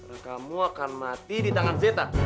karena kamu akan mati di tangan zeta